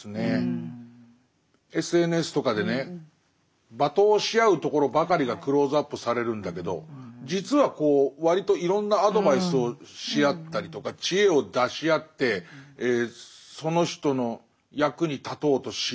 ＳＮＳとかでね罵倒し合うところばかりがクローズアップされるんだけど実は割といろんなアドバイスをし合ったりとか知恵を出し合ってその人の役に立とうとし合う瞬間も。